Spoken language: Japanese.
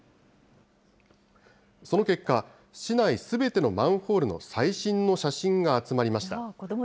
その結果、市内すべてのマンホールの最新の写真が集まりました。